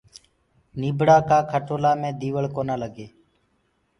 نيٚڀڙآ ڪآ کٽولآ مي ديوݪ ڪونآ لگي